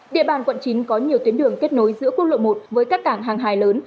địa bàn quận chín có nhiều tuyến đường kết nối giữa quốc lộ một với các cảng hàng hài lớn